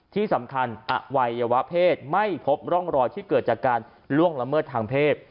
ที่สำคัญอวัยวะเพศไม่พบร่องรอยที่เกิดจากการล่วงละเมิดทางเพศ